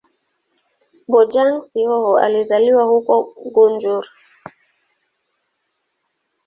Bojang-Sissoho alizaliwa huko Gunjur.